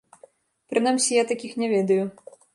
Прынамсі я такіх не ведаю.